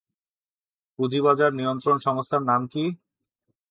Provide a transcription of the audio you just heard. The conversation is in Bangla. পুঁজিবাজার নিয়ন্ত্রক সংস্থার নাম কি?